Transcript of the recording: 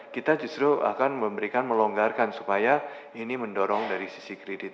kita justru akan memberikan melonggarkan supaya ini mendorong dari sisi kredit